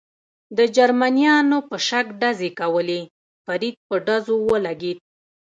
د جرمنیانو په شک ډزې کولې، فرید په ډزو ولګېد.